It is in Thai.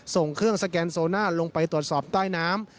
ส่งเครื่องสแกนโซน่าลงไปตรวจสอบใต้น้ำ